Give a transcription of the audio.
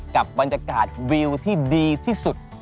กับบรรยากาศวิวที่ดีที่สุด